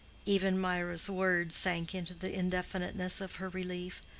Even Mirah's words sank into the indefiniteness of her relief.